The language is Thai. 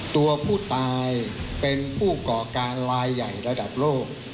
ตัวผู้ตายเป็นผู้ก่อการลายใหญ่ระดับโลก